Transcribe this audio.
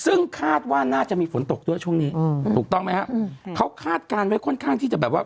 ซึ่งคาดว่าน่าจะมีฝนตกด้วยช่วงนี้อืมถูกต้องไหมฮะอืมเขาคาดการณ์ไว้ค่อนข้างที่จะแบบว่า